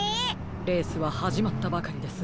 レースははじまったばかりです。